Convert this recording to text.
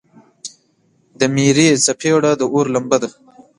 د میرې څپیړه د اور لمبه ده.